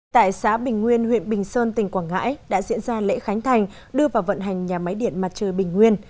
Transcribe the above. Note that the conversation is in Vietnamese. tại xã bình nguyên huyện bình sơn tỉnh quảng ngãi đã diễn ra lễ khánh thành đưa vào vận hành nhà máy điện mặt trời bình nguyên